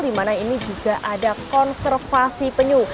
dimana ini juga ada konservasi penyu